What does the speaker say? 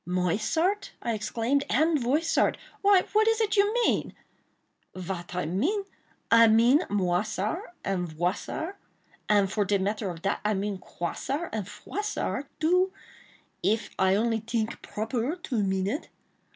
"Moissart?" I exclaimed, "and Voissart! Why, what is it you mean?" "Vat I mean?—I mean Moissart and Voissart; and for de matter of dat, I mean Croissart and Froissart, too, if I only tink proper to mean it.